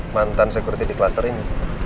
mantan security di kluster ini